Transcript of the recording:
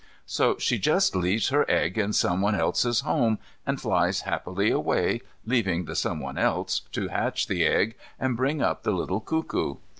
So she just leaves her egg in someone else's home, and flies happily away, leaving the someone else to hatch the egg and bring up the little cuckoo.